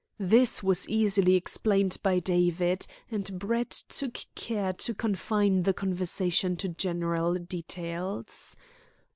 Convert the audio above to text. This was easily explained by David, and Brett took care to confine the conversation to general details.